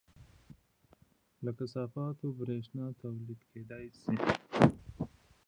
له کثافاتو بریښنا تولید کیدی شي